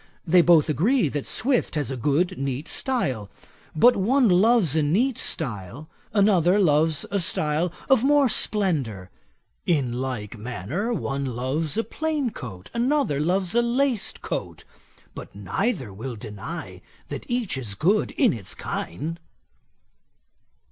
They both agree that Swift has a good neat style; but one loves a neat style, another loves a style of more splendour. In like manner, one loves a plain coat, another loves a laced coat; but neither will deny that each is good in its kind.'